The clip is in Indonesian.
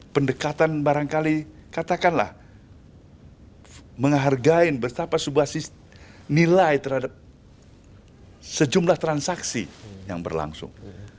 pendekatan barangkali katakanlah menghargain betapa sebuah nilai terhadap sejumlah transaksi yang berlangsung